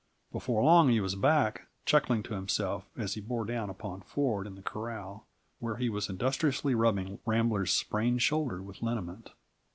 Before long he was back, chuckling to himself as he bore down upon Ford in the corral, where he was industriously rubbing Rambler's sprained shoulder with liniment.